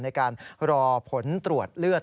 ในการรอผลตรวจเลือด